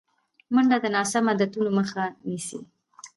منډه د ناسم عادتونو مخه نیسي